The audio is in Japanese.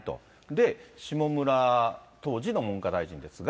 で、下村、当時の文科大臣ですが。